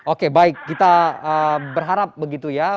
oke baik kita berharap begitu ya